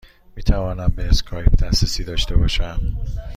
می توانم به اسکایپ دسترسی داشته باشم؟